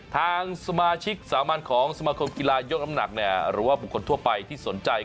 ทางสมาชิกสามัญของสมาคมกีฬายกน้ำหนักหรือว่าบุคคลทั่วไปที่สนใจ